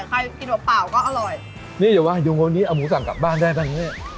ใครกินเปล่าเปล่าก็อร่อยนี่เดี๋ยววะอยู่วันนี้เอาหมูสั่งกลับบ้านได้ป่ะเนี่ย